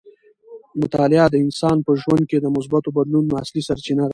مطالعه د انسان په ژوند کې د مثبتو بدلونونو اصلي سرچینه ده.